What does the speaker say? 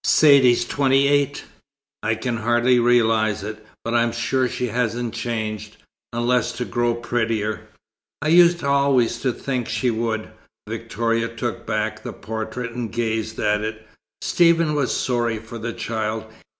Saidee twenty eight! I can hardly realize it. But I'm sure she hasn't changed, unless to grow prettier. I used always to think she would." Victoria took back the portrait, and gazed at it. Stephen was sorry for the child.